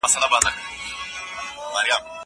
زه اوس ليک لولم!؟